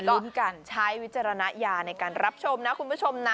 ลุ้นกันใช้วิจารณญาณในการรับชมนะคุณผู้ชมนะ